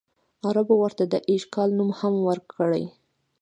عربو ورته د ایش کال نوم هم ورکړی.